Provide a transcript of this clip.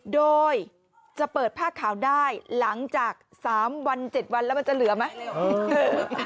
โดยจะเปิดผ้าขาวได้หลังจาก๓วัน๗วันแล้วมันจะเหลือไหม